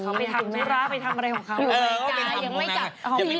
เขาไปทำทุกร่าะไปทำอะไรของเขา